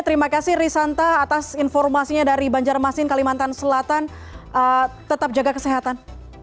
terima kasih risanta atas informasinya dari banjarmasin kalimantan selatan tetap jaga kesehatan